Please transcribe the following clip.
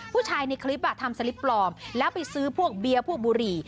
ผู้ชายในคลิปทำสลิปปลอมแล้วไปซื้อพวกเบียร์ผู้บุรี